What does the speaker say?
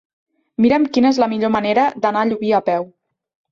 Mira'm quina és la millor manera d'anar a Llubí a peu.